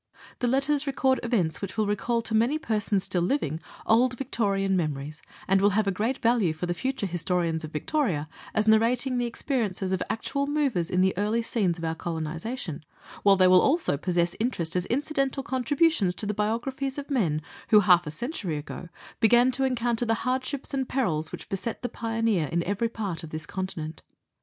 The letters record events which will recall to many persons still living old Victorian memories, and will have a great value for the future historian of Victoria, as narrating the experiences of actual movers in the early scenes of our colonization, while they will also possess interest as incidental contributions to the biographies of the men who half a century ago began to encounter the hardships and perils which beset the pioneer in every part of this continent.